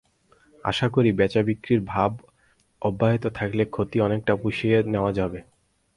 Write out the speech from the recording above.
আশা করছি, বেচা-বিক্রির ভাব অব্যাহত থাকলে ক্ষতি অনেকটা পুষিয়ে নেওয়া যাবে।